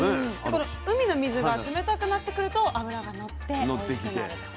この海の水が冷たくなってくると脂がのっておいしくなると。